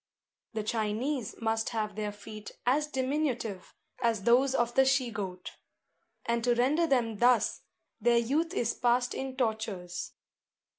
The Chinese must have their feet as diminutive as those of the she goat; and to render them thus, their youth is passed in tortures.